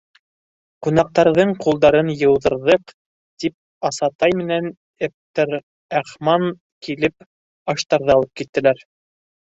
— Ҡунаҡтарҙың ҡулдарын йыуҙырҙыҡ, — тип Асатай менән Эптерәхман килеп аштарҙы алып киттеләр.